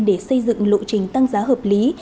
để xây dựng lộ trình tăng giá hợp lý